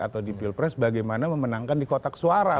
atau di pilpres bagaimana memenangkan di kotak suara